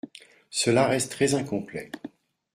Cela reste très incomplet.